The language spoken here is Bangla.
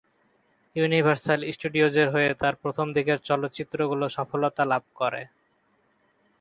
ইউনিভার্সাল স্টুডিওজের হয়ে তার প্রথম দিকের চলচ্চিত্রগুলো সফলতা লাভ করে।